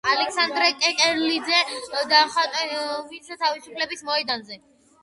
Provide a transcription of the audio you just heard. ალექსანდრე კეკელიძე დახვრიტეს თავისუფლების მოედანზე.